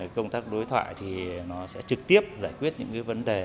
công tác đối thoại sẽ trực tiếp giải quyết những vấn đề